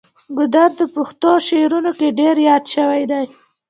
ګودر د پښتو شعرونو کې ډیر یاد شوی دی.